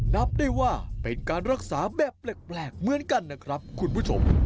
นับได้ว่าเป็นการรักษาแบบแปลกเหมือนกันนะครับคุณผู้ชม